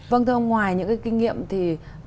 vâng thưa ông ngoài những cái kinh nghiệm thì